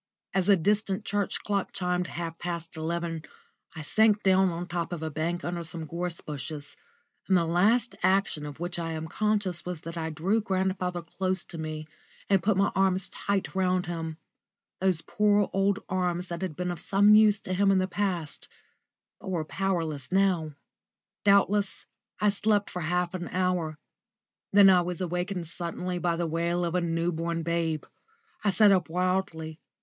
As a distant church clock chimed half past eleven, I sank down at the top of a bank under some gorse bushes, and the last action of which I am conscious was that I drew grandfather close to me and put my arms tight round him those poor old arms that had been of some use to him in the past, but were powerless now. Doubtless I slept for half an hour. Then I was awakened suddenly by the wail of a new born babe. I sat up wildly.